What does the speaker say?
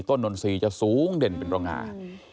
นนทรีย์จะสูงเด่นเป็นโรงงาน